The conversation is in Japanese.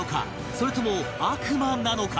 それとも悪魔なのか？